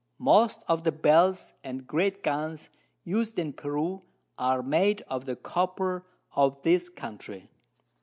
Most of the Bells and great Guns us'd in Peru, are made of the Copper of this Country.